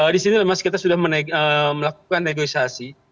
di sini mas kita sudah melakukan negosiasi